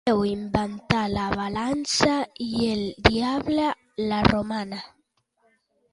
Déu inventà la balança i el diable la romana.